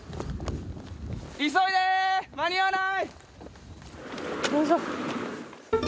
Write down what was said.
急いで間に合わない！